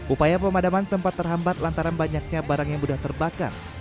upaya pemadaman sempat terhambat lantaran banyaknya barang yang mudah terbakar